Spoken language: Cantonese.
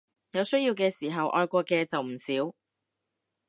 有需要嘅時候愛國嘅就唔少